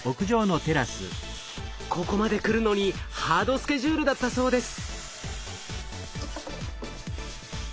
ここまでくるのにハードスケジュールだったそうです。